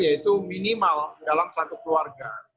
yaitu minimal dalam satu keluarga